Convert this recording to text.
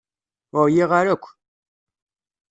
Ur ɛyiɣ ara akk.